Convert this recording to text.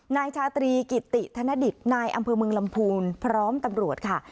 นายชาตรีกิติธนดิตนายอำเภอเมืองลำพูนพร้อมตำรวจค่ะ